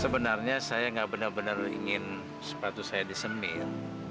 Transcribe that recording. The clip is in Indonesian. sebenarnya saya nggak bener bener ingin sepatu saya disemir